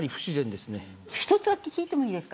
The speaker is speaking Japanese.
一つだけ聞いていいですか。